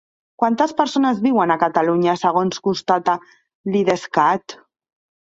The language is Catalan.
Quantes persones viuen a Catalunya segons constata l'Idescat?